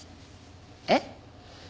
えっ？